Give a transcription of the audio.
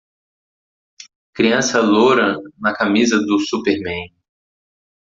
Criança loura na camisa do superman.